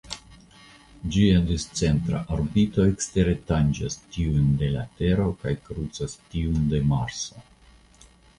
Ĝia discentra orbito ekstere tanĝas tiujn de la Tero kaj krucas tiun de Marso.